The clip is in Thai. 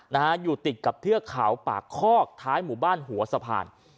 นะฮะอยู่ติดกับเทือกเขาปากคอกท้ายหมู่บ้านหัวสะพาน